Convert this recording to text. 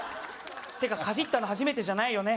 てかかじったの初めてじゃないよね？